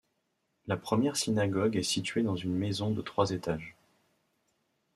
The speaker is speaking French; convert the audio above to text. La première synagogue est située dans une maison de trois étages.